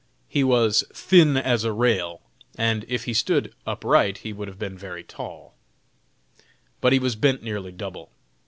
He was as "thin as a rail," and if he stood upright would have been very tall, but he was bent nearly double.